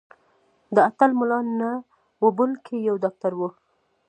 دا اتل ملا نه و بلکې یو ډاکټر و.